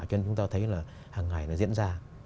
cho nên chúng ta thấy là hàng ngày nó diễn ra